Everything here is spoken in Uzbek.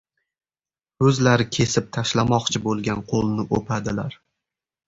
• O‘zlari kesib tashlamoqchi bo‘lgan qo‘lni o‘padilar.